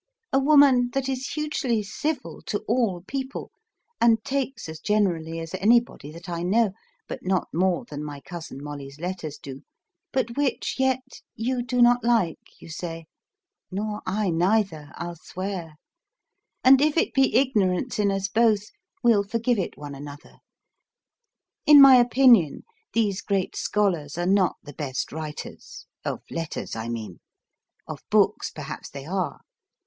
A woman that is hugely civil to all people, and takes as generally as anybody that I know, but not more than my cousin Molle's letters do, but which, yet, you do not like, you say, nor I neither, I'll swear; and if it be ignorance in us both we'll forgive it one another. In my opinion these great scholars are not the best writers (of letters, I mean); of books, perhaps they are.